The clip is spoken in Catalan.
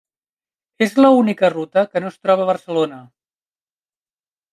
És l’única ruta que no es troba a Barcelona.